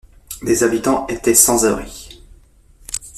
Des habitants, étaient sans abris.